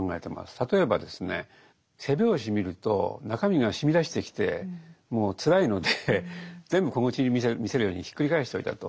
例えばですね背表紙見ると中身がしみ出してきてもうつらいので全部小口見せるようにひっくり返しておいたと。